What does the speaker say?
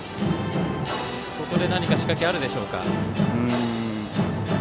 ここで何か仕掛けがあるでしょうか。